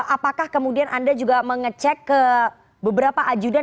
apakah kemudian anda juga mengecek ke beberapa ajudan